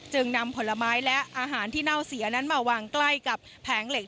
นำผลไม้และอาหารที่เน่าเสียนั้นมาวางใกล้กับแผงเหล็ก